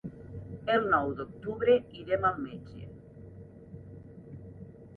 El nou d'octubre irem al metge.